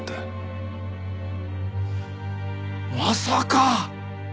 まさか！